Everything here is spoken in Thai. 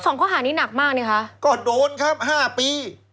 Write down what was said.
สองข้อหานี้หนักมากนะคะก็โดนครับห้าปี